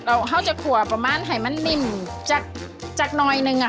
แล้วไหม้วจะขัวประมาณให้มันนิ่มจักรนอยหนึ่งค่ะ